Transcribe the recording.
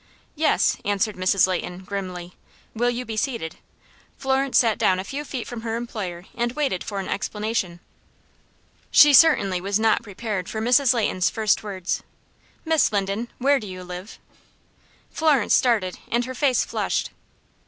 "Yes," answered Mrs. Leighton, grimly. "Will you be seated?" Florence sat down a few feet from her employer and waited for an explanation. She certainly was not prepared for Mrs. Leighton's first words: "Miss Linden, where do you live?" Florence started, and her face flushed.